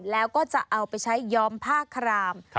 แล้วก็จะเอาไปใช้ยอมผ้าคราม